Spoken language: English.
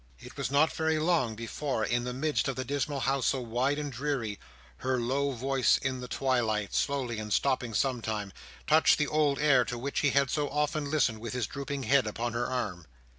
It was not very long before, in the midst of the dismal house so wide and dreary, her low voice in the twilight, slowly and stopping sometimes, touched the old air to which he had so often listened, with his drooping head upon her arm.